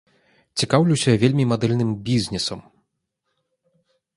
Цікаўлюся вельмі мадэльным бізнесам.